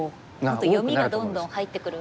あと読みがどんどん入ってくる。